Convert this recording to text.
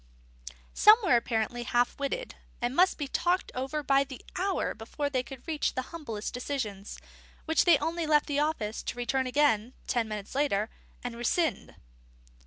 Some were apparently half witted, and must be talked over by the hour before they could reach the humblest decision, which they only left the office to return again (ten minutes later) and rescind.